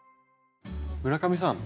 村上さん